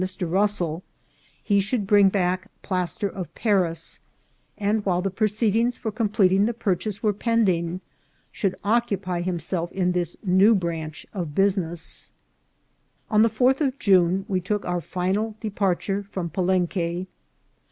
365 tials from Mr. Russell he should bring back plaster of Paris, and, while the proceedings for completing the purchase were pending, should occupy himself in this new branch of business. On the fourth of June we took our final departure from Palenque.